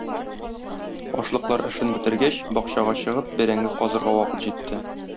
Ашлыклар эшен бетергәч, бакчага чыгып, бәрәңге казырга вакыт җитте.